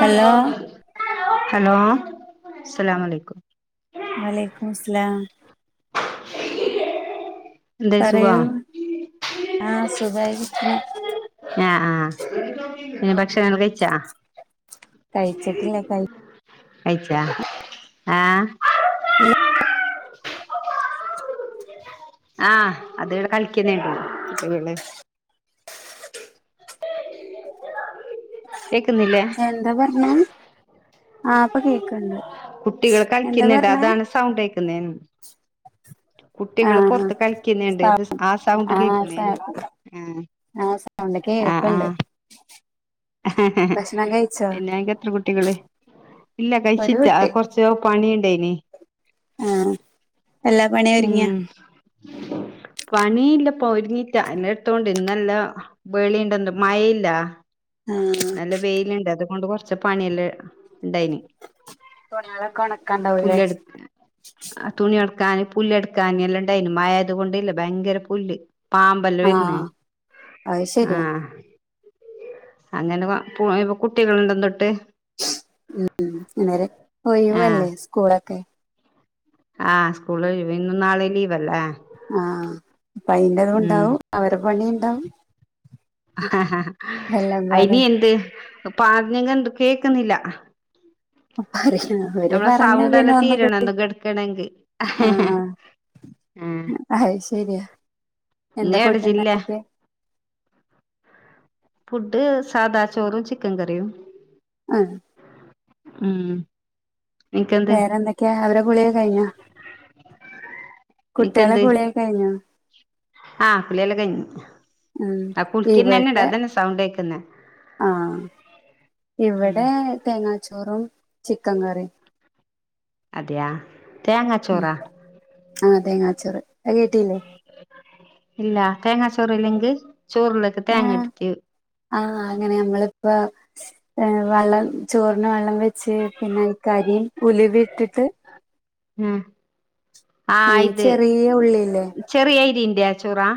hello [inaudible] hello സ്സലാമുഅലൈക്കും വലൈക്കുമുസ്സലാം [inaudible] സുഖാ പറയൂ ആഹ് സുഖായിരിക്കണ് ആഹ് ആഹ് ഇന്നട്ട് ഭക്ഷണം കഴിച്ചാ കഴിച്ചിട്ടില്ല കയ്ച്ചാ ആഹ് കഴിച്ചില്ല ആഹ് അതിവിടെ കളിക്കുന്നേണ്ട കുട്ടികള് [inaudible] കേക്ക്‌ന്നില്ലേ എന്താ പറഞ്ഞ ആ പ്പൊ കേക്കണ്ട് കുട്ടികൾ എന്താ കളിക്ക്‌ന്ന്ണ്ട് പറഞ്ഞേ അതാണ് സൗണ്ടേക്കുന്നേ കുട്ടികള് ആഹ് പൊർത്ത് കളിക്കുന്ന്ണ്ട് സൗ അത് ആ സൗണ്ട് ആഹ് കേക്കുന്നേ സൗ ആഹ് ആഹ് സൗണ്ട് കേൾക്ക്‌ണ്ട് കഴിച്ചോ പിന്നെൻക്ക് എത്ര കുട്ടികള് ഇല്ല ഒരു കഴിച്ചിട്ടാ കുട്ടി കൊർ ച്ച് പണിയുണ്ടായിനി ആഹ് എല്ലാ പണി ഒരുങ്ങിയാ ഉം പണിയില്ലപ്പ ഒരുങ്ങീറ്റ ഇന്നലെട്ത്തോ ഇന്നെല്ല ബെളിണ്ടന്ത് മഴയില്ല ആഹ് നല്ല വെയില്ണ്ട് അതുകൊണ്ട് കൊറച്ച പണിയെല്ലാണ്ടേയിന് തുണിളൊക്കെ ഒണക്കാണ്ടാവൂലേ തുണി എടുക്കാന് പുല്ല് എടുക്കാന് എല്ലാണ്ടായിനു മഴായ്ത് കൊണ്ടില്ല ഭയങ്കര പുല്ല് പാമ്പല്ല വര്ന്ന് ആഹ് അത് ശരിയാ ആഹ് അങ്ങനെ ഇപ്പൊ കുട്ടികളണ്ട് തൊട്ട് ഉ ഉം അന്നേര് ആഹ് ഒയിവല്ലെ സ്കൂളൊക്കെ ആഹ് സ്കൂള് ഒഴിവ് ഇന്നും നാളിലീവല്ലേ ആഹ് അപ്പ അയിന്റെതുണ്ടാവും അവരെ പണി ഉണ്ടാവും എല്ലാം അയിനി പാടെ എന്ത് പറഞ്ഞങ്ക് കേക്കുന്നില്ല പറയും അവര് നമ്മളെ പറഞ്ഞാ പിന്നെ ഒന്നും സൗണ്ടല്ലതീരണം എന്തെങ്കിട്ക്കണെങ്കി ഏഹ് അഹ് ശരിയാ എന്താ ങ്ങേ എട് ഫുഡ് ജില്ലാ ഉണ്ടാക്കിയെ ഫുഡ് സാദാ ചോറും ചിക്കൻ കറിയും അതെ ഉമ് വേറെന്തൊക്കെയാ അവരെ കുളി യൊക്കെ കഴിഞ്ഞോ കുട്ട്യാളെ നിനക്കെന്ത് കുളിയൊക്കെ കഴിഞ്ഞോ ആഹ് കുളിയല്ല കഴിഞ്ഞു ഉം ആഹ് കുളിക്കിന്ന തന്നെടാ ഇവിടെ അതന്നെ സൗണ്ട് കേക്കുന്ന ആഹ് ഇവിടെ തേങ്ങാച്ചോറും ചിക്കൻ കറിയും അതെയാ ഉമ് തേങ്ങാച്ചോറാ ആഹ് തേങ്ങാ ച്ചോറ് അഹ് കിട്ടീല്ലേ ഇല്ല തേങ്ങാ ചോറ് ഇല്ലെങ്കിൽ ചോറിലേക്കെ തേങ്ങ ആഹ് ഇട്ടിട്ട് ആഹ് അങ്ങനെ നമ്മളിപ്പ വെള്ളം ചോറിന് വെള്ളം വെച്ചി ച്ച് പിന്നെ അതിക്ക് അരിയും ഉലവയും ഇട്ടിട്ട് ഉമ് ആഹ് ഏഹ് ഇത് ചെറിയ ഉള്ളിയില്ലേ ചെറിയരിന്റെ ചോറാ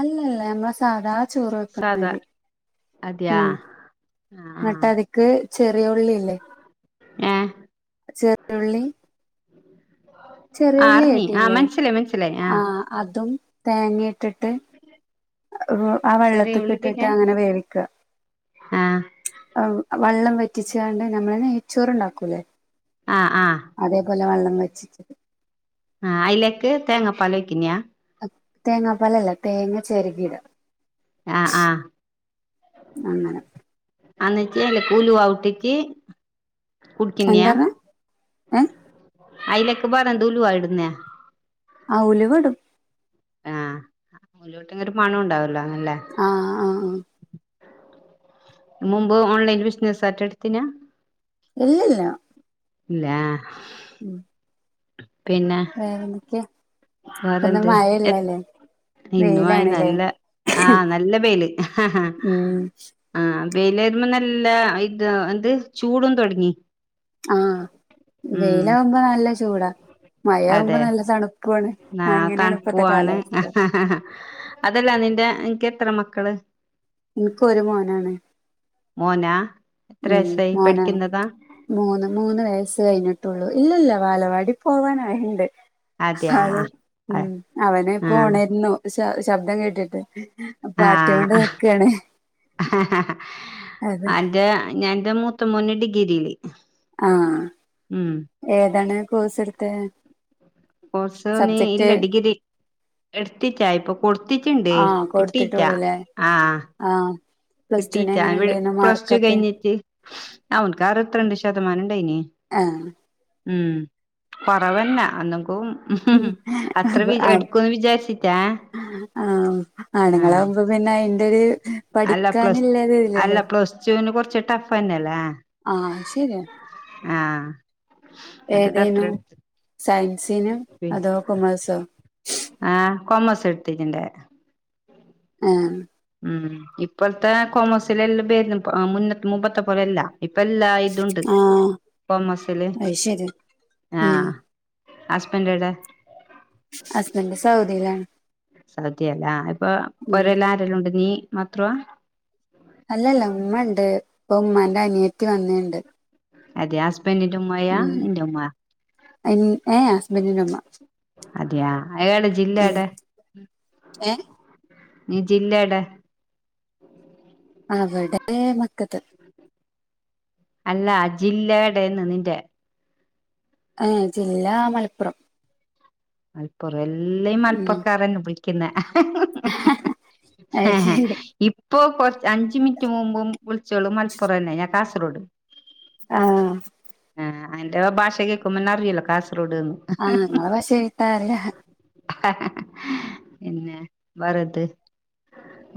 അല്ലല്ല നമ്മളെ സാധാ ചോറ് സാദാ വെക്ക്ന്നാരി അതെയാ മ് ആഹ് ആഹ് ങ്ങട്ട് അതിക്ക് ചെറിയ ഉള്ളില്ലേ ഏഹ് ചെറിള്ളി ആഹ് അർഞ്ഞി ആഹ് കേട്ടില്ലേ മനസ്സിലായി മനസ്സിലായി ആഹ് അതും തേങ്ങിം ട്ടിട്ട് വ് ആ ചെറിയ വെള്ളത്ത്ക്ക് ഉള്ളി ട്ട്ട്ട് പിന്നെ അങ്ങന വേവിക്ക ആഹ് അവ് വള്ളം വറ്റിച്ചാണ്ട് ഞമ്മള് ന്നെയച്ചോറ്ണ്ടാക്കൂലേ ആഹ് ആഹ് അതേപോലെ വള്ളം വെച്ചി ആഹ് അയ്ലേക്ക് തേങ്ങാപ്പാലൊ യ്ക്യുന്യാ തേങ്ങാപ്പാലല്ല തേങ്ങ ചെരകിടാ ആഹ് ആഹ് അങ്ങനെ അന്നിച്ചി എല കുലു ഔട്ടിച് കുടിക്യുന്ന എന്താ പറഞ്ഞെ ഏഹ് അയ്ലക്ക്ബാടെ ഏന്തൂലു ഇടുന്നെ ആഹ് ഉലുവ ടും ആഹ് ഉലൂട്ട് ഒരു മണും ണ്ടാവുല്ലൊ അല്ലേ ആഹ് ആഹ് ആഹ് മുമ്പ് ഓൺലൈൻ ബിസിനസ്സ് സാറ്റെട്ത്തിനാ ഇല്ല ല്ലാ ഇല്ലാ ഉമ് പിന്നേ വേറെന്തെക്കെ വേറന്ത് എത് ഇന്നുവായിൽ വെയിലാണല്ലേ നല്ല ആഹ് നല്ല വെയ്ല് ഉം ആഹ് ബെയ്ലേരുമം നല്ല ഇത് എന്ത് ചൂടും തൊട്ങ്ങി ആഹ് വെയിലാമ്പോ നല്ല ചൂടാ മഴ ആമ്പോ അതെ ന്നല്ല തണു ആഹ് തണുപ്പൂ ആണ് അതല്ലാ നിന്റെ നിൻക്ക് എത്ര മക്കള് ഇൻക്ക് ഒരു മോനാണ് മോനാ എത്ര ഉം വയസ്സായി മോനാണ് പഠിക്കുന്നതാ മൂന്ന് മൂന്ന് വയസ്സ് കഴിഞ്ഞിട്ടുള്ളു ഇല്ല ല്ല വാലവാടി പോവാനായ്ണ്ട് അതെയാ ആള് ആഹ് മ് അവനെ പ്പോ ഒണര്ണു ശ ശബ്ദം കേട്ടിട്ട് പാട്ടിയോണ്ട് ആഹ് നിക്കാണ് അതെ അന്റെ ഞാ ന്റെ മൂത്ത മോന് ഡിഗ്രിയില് ആഹ് ഉം ഏതാണ് കോയ്സ്ട്ത്തെ കോഴ്സോ ന് ഇല്ല ഡിഗ്രി എട്ത്തില്ലാ പ്പം കൊട്ത്തിട്ട്ണ്ട് ആഹ് കിട്ടീല്ലാ കൊടുത്തിട്ടുള്ളൂല്ലേ ആഹ് ആഹ് പ്ലസ് ടുവിന് കിട്ടീട്ടാ എങ്ങനെ ഇവിയു ഉണ്ടായിരുന്നു പ്രസ്റ്റു മാർക്കൊക്കെ കഴിഞ്ഞിട്ട് അവൻക്കാറ്ത്രണ്ട് ശതമാനം ഇണ്ടായിന് ആഹ് ഉം കൊറവന്നെ അന്ന്ക്കും [unintelligible] വിചാരിച്ചിട്ടാ ആഹ് ആണ്ങ്ങളാഉമ്പോ പിന്നെ അയ്ന്റെര് പഠിക്കാന്ല്ലര് ല്ലല്ലോ ച്ചൂന് കൊർച്ച് ട്ടഫെന്നെല്ലേ ആഹ് ശെരി ആ ആഹ് അതോണ്ട് അത്ര ഏതേനൂ എടുത്ത് സയൻസേനു അതോ കൊമേഴ്സോ ആഹ് കൊമസ് എടുത്തിട്ട്ന്റ് ആഹ് ഉം ഇപ്പോഴത്തെ കോമേഴ്സിലെല്ലാം [unintelligible] മുന്ന മുമ്പത്തെ പോലെല്ല ഇപ്പ എല്ലാ ഇതുണ്ട് ആഹ് കോമസില് അത് ശരി ഉം ആഹ് ഹസ്ബൻഡ്യെവിടെ ഹസ്ബൻഡ് സൗദിയിലാണ് സൗദിയല്ല ഇപ്പൊ ഉം പോരെല്ല ആരെല്ലാം ഉണ്ട് നീ മാത്രവാ അല്ലല്ല ഉമ്മ ഉണ്ട് ഇപ്പ ഉമ്മാന്റെ അനിയറ്റ വന്നണ്ട് അതെ ഹസ്ബെന്റ ഉമ്മയാ നിന്റെ ഉമ്മ അയിന് ഏയ് ഹസ്ബൻഡിന്റെമ്മ അതെയാ അയാള ജില്ലടെ ഏയ് ഈ ജില്ലടെ അവിടെ മക്കത്ത് അല്ല അ ജില്ലേടെന്ന് നിന്റെ അഹ് ജില്ലാ മലപ്പുറം മലപ്പുറം എല്ലയും മലപ്പുറക്കാരന്നെ ഉപയി ക്കുന്ന അയ് ശരി ഇപ്പൊ കൊറച്ച് അഞ്ചു മിനിറ്റ് മുമ്പും വിളിച്ചോളും മലപ്പുറം തന്നെ ഞാൻ കാസർഗോഡ് ആഹ് ആഹ് അയിന്റെ ഭാഷ കേൾക്കുമ്പന്നെ അറിയില്ലോ കാസർഗോഡ്ന്ന് ആഹ് നിങ്ങെ പശ ഇട്ടാല്ലേ പിന്നെ വേറെത്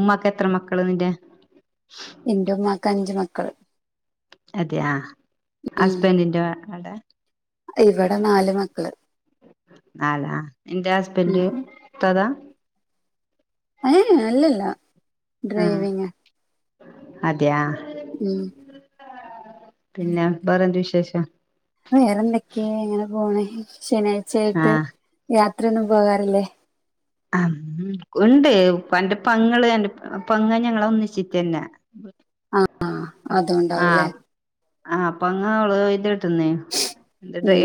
ഉമ്മാക്ക് എത്ര മക്കൾ നിന്റെ എന്റെ ഉമ്മാക്ക് അഞ്ചു മക്കള് അതെയ ആഹ് ഉം ഹസ്ബൻറിന്റെ അടെ ഇവിടെ നാല് മക്കള് ആലാ എന്റെ ഉം ഹസ്ബന്റെ ഇട്ടതാ ഏയ് അല്ലല ആഹ് അതെയാ ഉം പിന്നെ വേറെയെന്ത് വിശേഷം വേറെന്തൊക്കെയ എങ്ങനെ പോണ ശനിയാഴ്ചയായിട്ട് ആഹ് യാത്രയൊന്നും പോകാറില്ലേ ആം ഉ ഉണ്ട് ഉപ്പന്റെ പങ്ങള് എന്റെ പൊങ്ങ ഞങ്ങള ഒന്നിച്ചിട്ട തന്നെ ആ അതുണ്ടാവൂലേ ആ അപ്പൊ അങ്ങള്ള ഇത്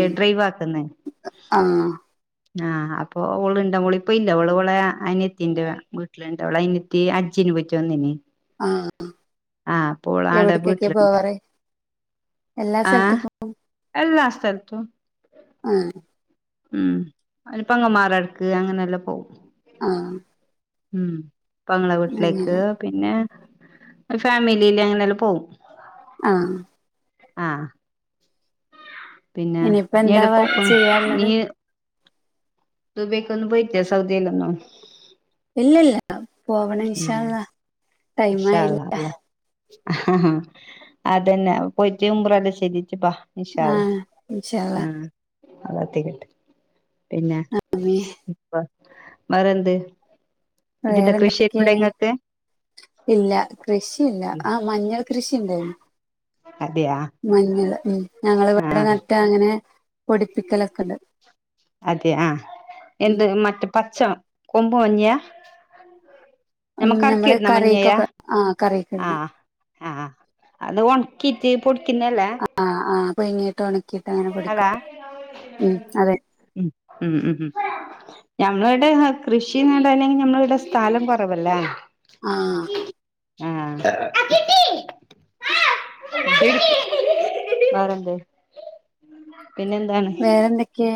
എ ഡ്രൈവ് ആക്കുന്ന ആ ആഹ് അപ്പൊ ഓള് ഇണ്ട മോളി അപ്പൊ ഇല്ല അവള അവളെ അനയത്തിന്റെ വീട്ടിലിണ്ട അവളെ അനത്തി അജ്ജിനന് പറ്റിോന്നിനെ ആ ആടെ എവിടക്കൊക്കെ വീട്ടിലുണ്ട് പോവാറ എല്ലാ സ്ഥലത്തും പോവും എല്ലാം സ്ഥലത്തും ആഹ് ഉം അതി പങ്ങമാറടക്ക് അങ്ങനെ എല്ലാം പോകും ആ ഉം പങ്ങളെ വീട്ടിലേക്ക് അങ്ങനെ പിന്നെ ഫാമിലിയില് അങ്ങനെല്ലാം പോകവും ആഹ് ആഹ് പിന്നെ ഇനിയിപ്പ നീ എന്താ എട പോപ്പും ചെയ്യാള്ളത് നീ ഇ ദുബായ്കുയെന്നു പോയിട്ടില്ല സൗദ്യയിലോയുന്നു ഇല്ല ഇല്ല പോവണം ഇന്ഷാ ഇല്ല അല്ലാഹ് ഇൻഷാ അള്ളാ ള അതന്നെ പോയിറ്റ് ഇമ്പറല്ലാം ചെയ്തിട്ട് ബാ ഇൻഷാ അള്ളാ ആഹ് ഇൻഷാ അള്ളാ ആഹ് ആ തട്ടിക്കിട്ട് പിന്നെ അമ്മേ ഇപ്പാ വേറെന്ത് ഇതിന്റെ വേറെന്തൊക്കെ കൃഷിയൊക്കെണ്ടോ ഇങ്ങക്ക് ഇല്ല കൃഷിയില്ല ആ മഞ്ഞൾ കൃഷിഒണ്ടായിരുന്ന് അതെയാ മഞ്ഞള് ഉമ് ഞങ്ങള് ആഹ് ഇവിടെനട്ടാഅങ്ങനെ പൊടിപ്പിക്കലൊക്കത് അതെ ആഹ് ഉം എന്ത് മറ്റേ പച്ച കൊമ്പ് മഞ്ഞിയാ [unintelligible] ഉം ഞമ്മള് ഞമ്മക്ക്ക്കിയിടുന്നാ മഞ്ഞയ കറിക്കൊക്കെ ആഹ് കറിയൊക്കെ ആ ഇടുന്ന ആ അത്കൊണ്ട് കിട്ടീ പൊടിക്കന്നല്ലേ ആഹ് ആഹ് പുഴുങ്ങിയിട്ട് ഉണക്കിയിട്ട് അങ്ങനെ പൊടിക്കും ഹലാ ഉം അതെ മ് ഉം ഉം ഉമ് ഞങ്ങടെ കൃഷിന്നെടനെ ഞമ്മളെടെസ്ഥലം പ ബല്ല ആഹ് ആഹ് [unintelligible] പിന്നെ എന്താണ് വേറെന്തൊക്കെയ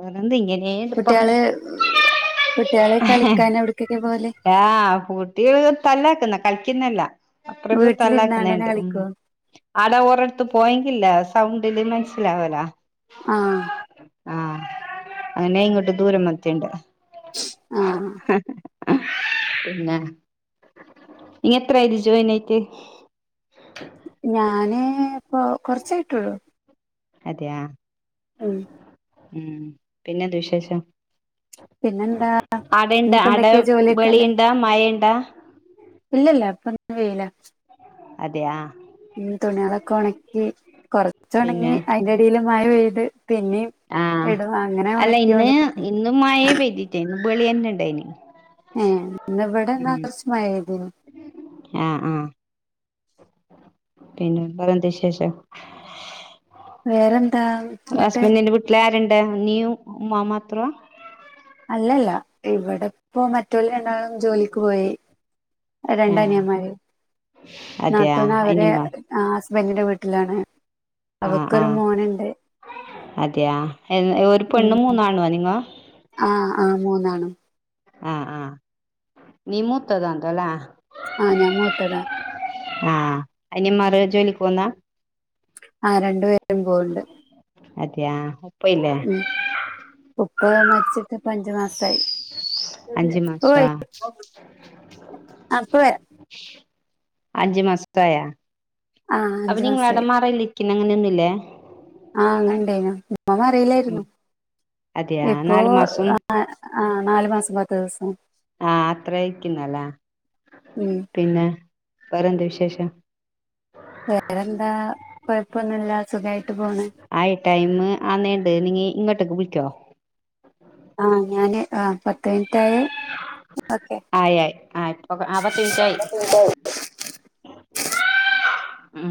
വേറെന്ത് ഇങ്ങനെ കുട്ടിയള് കുട്ടിയള് കളിക്കൻ എവിടക്കൊക്കെ പോലെ ഡാ കുട്ടികള് തല്ലാക്കുന്നെ കളിക്കുന്നല്ല അപ്പറ വീട്ടിലിരുന്നാണ്ട് തന്നെ തല്ലാക്കുന്നണ്ട് ഉമ് കളിക്കോ ആട ഓറടുത്ത് പോയെങ്കില്ല സൗണ്ടില് മനസ്സിലാവലാ ആഹ് ആഹ് അങ്ങനെ ഇങ്ങോട്ട് ദൂരം മത്തിണ്ട് ആഹ് പിന്നെ നീഎത്രായി ജോയിനായിട്ട് ഞാനെ ഇപ്പൊ കൊറച്ചായിട്ടള്ളൂ അതെയ ഉം ഉം പിന്നെന്ത് വിശേഷം പിന്നെന്താ അടയണ്ട ഇനിയിപ്പോ അട എന്തൊക്കെയാ ജോലിയൊക്കെല്ലേ വെളിയുണ്ട മഴയെണ്ട ഇല്ലല്ല അപ്പൊ വേല അതെആ തുണികളൊക്കെ ഒണക്കി കൊറ കൊറചൊണങ്ങി പിന്നെ അതിന്റെഎടില് മഴ പെയ്ത് പിന്നെയും ഇടും അങ്ങനെ ഒണക്കിഒണക്കി അത് മയെപെയ്തിട്ടേ ബെളിന്നെ ഉണ്ടായിന് ഏഹ് ഇന്ന് ഇവിടെ ന്ന കൊറച്ച് മഴ പെയ്തേന്ന് ആഹ് ആഹ് പിന്നെ എന്തൊണ്ട് വിശേഷം വേറെന്താ എന്നിട്ട് ലാരണ്ട് നീയും ഉമ്മ മാത്ര അല്ലല്ല ഇവിടെപ്പോ മറ്റൊള് രണ്ടാളും ജോലിക്ക് പോയി ആഹ് രണ്ട് അനിയമാര് അതെയ നാത്തൂന് അവരെ അയിനുമ്മ ആഹ് ഹസ്ബൻഡി ന്റെ വീട്ടിലാണ് മ് അവക്കൊരു ആഹ് മോനുണ്ട് അതെയ ഒരു ഉം പെണ്ണും മൂന്നാണുവാ നിങ്ങാ ആഹ് ആഹ് മൂന്നാണും ആഹ് ആഹ് നീ മൂത്തതല്ലേ ആഹ് ഞാൻമൂത്തതാ ആഹ് അനിയമാറ് ജോലിക്ക് പോന്നാ ആഹ് രണ്ട് പേരും പോവ്ണ്ട് അത്യാ ഉപ്പ ഇല്ലേ ഉം ഉപ്പ മരിച്ചിട്ട് പ അഞ്ച് മാസമായി അഞ്ചു മാസാ [unintelligible] അഞ്ച് മാസത്തായാ ആഹ് അപ്പ അഞ്ചു നിങ്ങളവിടെ മാസായി മറല്ലി പിന്നെ അങ്ങനെയൊന്ന്ല്ലേ ആഹ് അങ്ങനണ്ടേനു ഉപ്പ ഉം മറിയിലെര്ന്നു അതെയാ ഇപ്പോ നാലു മാസം ആഹ് ആഹ് നാല് മാസം പത്ത് ദിവസം ആഹ് അത്രയ് ക്കുന്നെല്ലേ ഉം പിന്നെ വറെന്ത് വിശേഷം വേറെന്താ കൊഴ്പ്പൊന്നുല്ല സുഖായിട്ട് പോണ് ആയി ടൈം ആ നീണ്ട് നി ഇങ്ങോട്ടേക്ക് വിള്ക്കോ ആഹ് ഞാന് ആഹ് പത്ത് മിൻറ്റായെ ആയി ആയി ആപ്പൊ ആപത്ത് മിൻറ്റായി ഉം